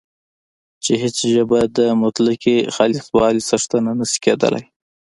چې هیڅ ژبه د مطلقې خالصوالي څښتنه نه شي کېدلای